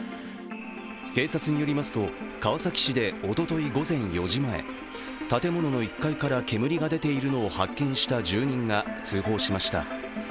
警察によりますと川崎市でおととい午前４時前、建物の１階から煙が出ているのを発見した住人が通報しました。